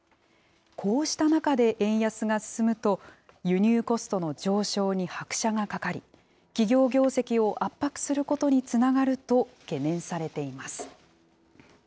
こうした中で円安が進むと、輸入コストの上昇に拍車がかかり、企業業績を圧迫することにつながると懸念されています。